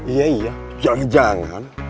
iya iya jangan jangan